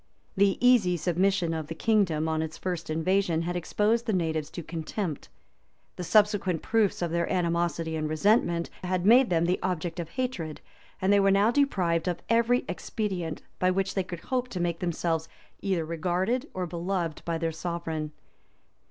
The easy submission of the kingdom on its first invasion had exposed the natives to contempt; the subsequent proofs of their animosity and resentment had made them the object of hatred; and they were now deprived of every expedient by which they could hope to make themselves either regarded or beloved by their sovereign.